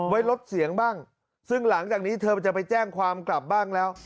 ไว้ลดเสียงบ้างซึ่งหลังจากนี้เธอจะไปแจ้งความกลับบ้างแล้ว